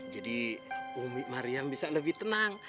jadi umi maryam bisa lebih tenang